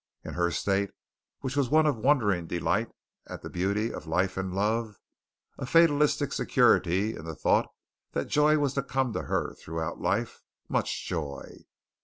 In her state, which was one of wondering delight at the beauty of life and love a fatalistic security in the thought that joy was to come to her throughout life much joy.